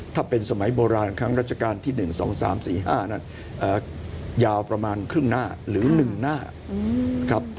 ถ้าเป็นสมัยโบราณครั้งราชการที่หนึ่งสองสามสี่ห้านั้นยาวประมาณครึ่งหน้าหรือหนึ่งหน้าครับ